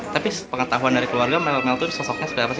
tapi pengetahuan dari keluarga melmel itu sosoknya seperti apa sih